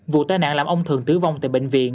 vụ tai nạn làm ông thường tử vong tại bệnh viện